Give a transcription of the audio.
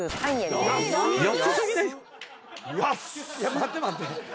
待って待って。